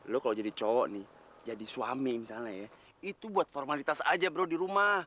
lo kalau jadi cowok nih jadi suami misalnya ya itu buat formalitas aja bro di rumah